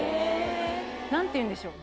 何ていうんでしょう？